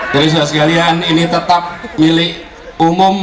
jadi sudah sekalian ini tetap milik umum